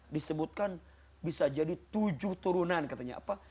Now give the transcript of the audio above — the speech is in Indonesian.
disebutkan bisa jadi tujuh turunan katanya apa